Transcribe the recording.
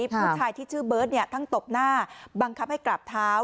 ผู้ชายที่ชื่อเบิร์ตทั้งตบหน้าบังคับให้กราบเท้า